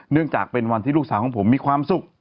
จากเป็นวันที่ลูกสาวของผมมีความสุข